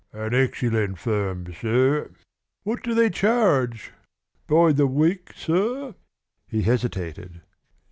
"An excellent firm, sir." "What do they charge?" "By the week, sir?" He hesitated.